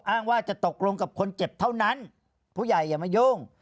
อ้างว่าจะตกลงกับคนเจ็บเท่านั้นผู้ใหญ่อย่ามายุ่ง